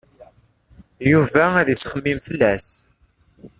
Yuba ad ixemmem fell-as.